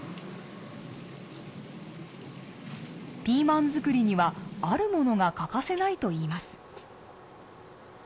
ピーマン作りにはあるものが欠かせないといいます。